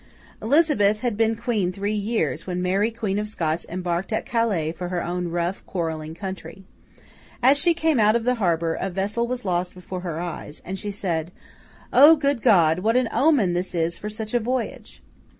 Elizabeth had been Queen three years, when Mary Queen of Scots embarked at Calais for her own rough, quarrelling country. As she came out of the harbour, a vessel was lost before her eyes, and she said, 'O! good God! what an omen this is for such a voyage!